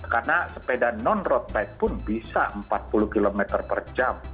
karena sepeda non road bike pun bisa empat puluh kilometer per jam